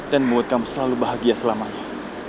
dan membuat kamu selalu bahagia selamanya